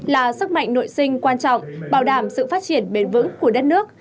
là sức mạnh nội sinh quan trọng bảo đảm sự phát triển bền vững của đất nước